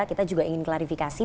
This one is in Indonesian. kita juga ingin klarifikasi